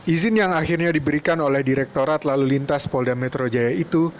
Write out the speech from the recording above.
izin yang akhirnya diberikan oleh direktorat lalu lintas polda metro jaya itu